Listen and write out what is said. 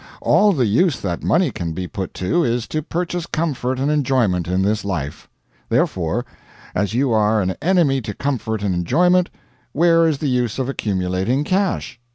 All the use that money can be put to is to purchase comfort and enjoyment in this life; therefore, as you are an enemy to comfort and enjoyment, where is the use of accumulating cash?